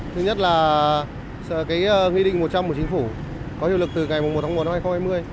thứ nhất là nghị định một trăm linh của chính phủ có hiệu lực từ ngày một tháng một năm hai nghìn hai mươi